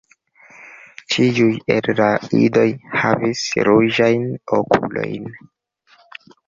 Ĉiuj el la idoj havis ruĝajn okulojn.